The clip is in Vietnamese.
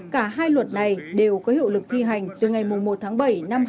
cả hai luật này đều có hiệu lực thi hành từ ngày một tháng bảy năm hai nghìn hai mươi